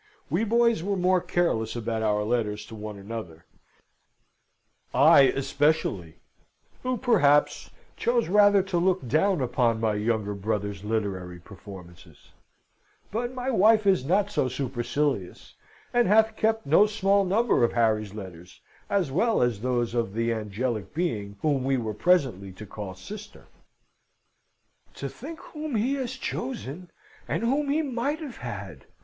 We boys were more careless about our letters to one another: I especially, who perhaps chose rather to look down upon my younger brother's literary performances; but my wife is not so supercilious, and hath kept no small number of Harry's letters, as well as those of the angelic being whom we were presently to call sister. "To think whom he has chosen, and whom he might have had!